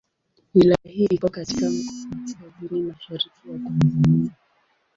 Wilaya hii iko katika kaskazini mashariki ya Tanzania.